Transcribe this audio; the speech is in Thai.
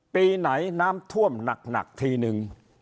ปีไหนน้ำท่วมหนักทีนึง